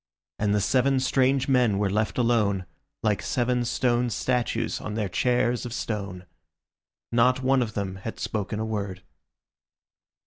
And the seven strange men were left alone, like seven stone statues on their chairs of stone. Not one of them had spoken a word.